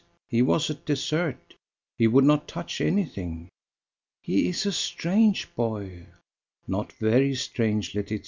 He was at dessert. He would not touch anything." "He is a strange boy." "Not very strange, Laetitia."